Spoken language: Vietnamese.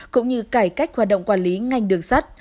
cũng như cải cách hoạt động quản lý ngành đường sắt